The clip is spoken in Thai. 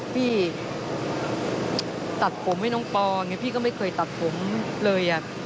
พี่ตัดผมให้น้องปอไงพี่ก็ไม่เคยตัดผมเลย